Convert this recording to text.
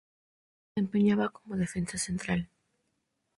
Se desempeñaba como defensa central.